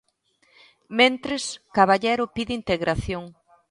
Mentres, Caballero pide integración.